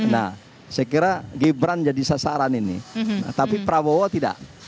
nah saya kira gibran jadi sasaran ini tapi prabowo tidak